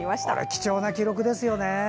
貴重な記録ですよね。